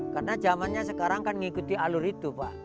karena zamannya sekarang kan ngikuti alur itu pak